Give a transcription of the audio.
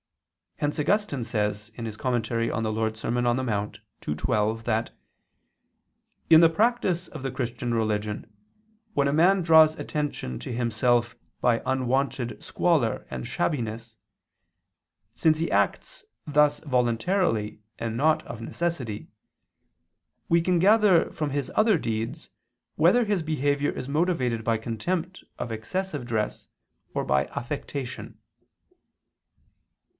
Hence Augustine says (De Serm. Dom. in Monte ii, 12) that "in the practice of the Christian religion when a man draws attention to himself by unwonted squalor and shabbiness, since he acts thus voluntarily and not of necessity, we can gather from his other deeds whether his behavior is motivated by contempt of excessive dress or by affectation."